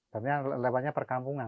karena lewannya perkampungan